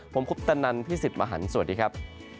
ผมคุปตะนันพี่สิทธิ์มหันฯสวัสดีครับ